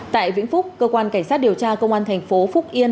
tại vĩnh phúc cơ quan cảnh sát điều tra công an thành phố phúc yên